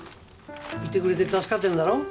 いてくれて助かってるだろ？